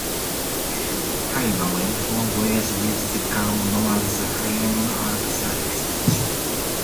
Harriman went on a voyage which became known as the Harriman Alaska Expedition.